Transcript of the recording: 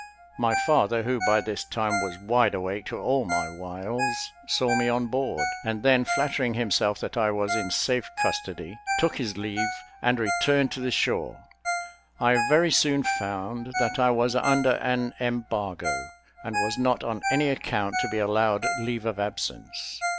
My father, who by this time was wide awake to all my wiles, saw me on board; and then flattering himself that I was in safe custody, took his leave and returned to the shore. I very soon found that I was under an embargo, and was not on any account to be allowed leave of absence.